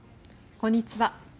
こんにちは。